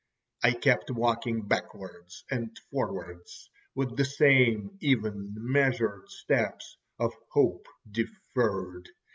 I kept walking backwards and forwards with the same even, measured steps of hope deferred.